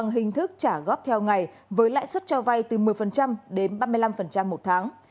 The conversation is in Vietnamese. hình thức trả góp theo ngày với lãi suất cho vay từ một mươi đến ba mươi năm một tháng